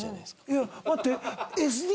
いや待って。